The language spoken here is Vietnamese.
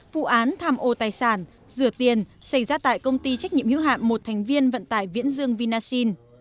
vụ án tham ô tài sản rửa tiền xảy ra tại công ty trách nhiệm hiếu hạm một thành viên vận tải viễn dương vinasin